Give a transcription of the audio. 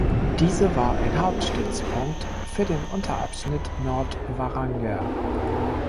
Diese war ein Hauptstützpunkt für den 'Unterabschnitt Nord-Varanger'.